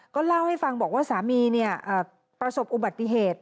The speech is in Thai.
ก็เล่าให้ฟังบอกว่าสามีประสบอุบัติเหตุ